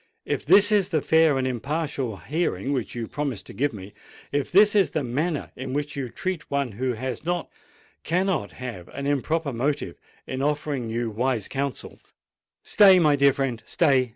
"If this is the fair and impartial hearing which you promised to give me,—if this is the manner in which you treat one who has not—cannot have an improper motive in offering you wise counsel——" "Stay, my dear friend—stay!"